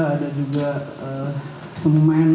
ada juga semen